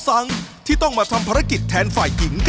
อาละ